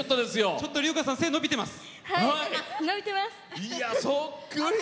ちょっと梨丘さん背伸びてます。